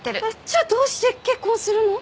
じゃあどうして結婚するの？